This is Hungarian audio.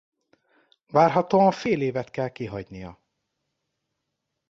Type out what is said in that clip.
Várhatóan fél évet kell kihagynia.